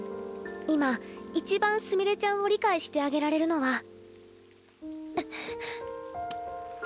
今一番すみれちゃんを理解してあげられるのは。